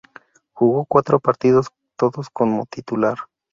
Jugó cuatro partidos, todos como titular.